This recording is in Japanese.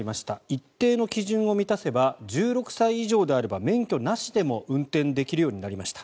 一定の基準を満たせば１６歳以上であれば免許なしでも運転できるようになりました。